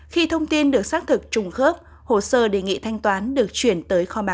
khi thông tin được xác thực trùng khớp hồ sơ đề nghị thanh toán được chuyển tới khóa